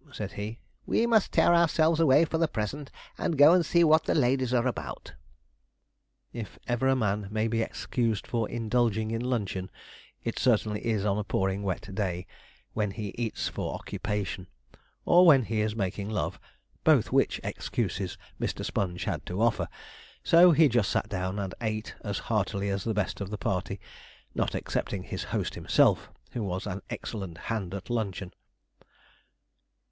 However,' said he, 'we must tear ourselves away for the present, and go and see what the ladies are about.' If ever a man may be excused for indulging in luncheon, it certainly is on a pouring wet day (when he eats for occupation), or when he is making love; both which excuses Mr. Sponge had to offer, so he just sat down and ate as heartily as the best of the party, not excepting his host himself, who was an excellent hand at luncheon.